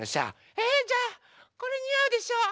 えじゃあこれにあうでしょ？